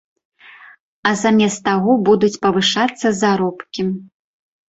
А замест таго будуць павышацца заробкі.